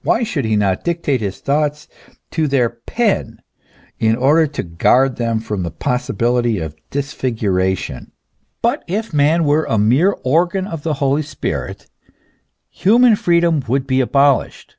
Why should he not dictate his thoughts to their pen in order to guard them from the possibility of disfiguration ?" But if man were a mere organ of the Holy Spirit, human freedom would be abolished!"